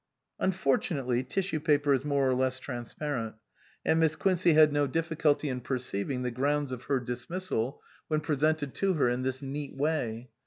Unfortunately tissue paper is more or less transparent, and Miss Quincey had no difficulty 316 MISS QUINCEY STANDS BACK in perceiving the grounds of her dismissal when presented to her in this neat way.